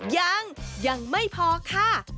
ยังยังไม่พอค่ะ